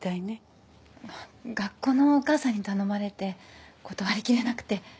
がっ学校のお母さんに頼まれて断りきれなくて。